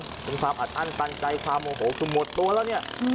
สิ่งที่คาบอัดอั้นปัญญาไพร์มโมโหคุณหมดตัวแล้วเนี่ย